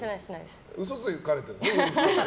嘘つかれてるんですね。